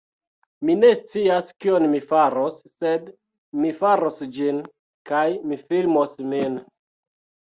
Mi ne scias kion mi faros, sed mi faros ĝin, kaj mi filmos min.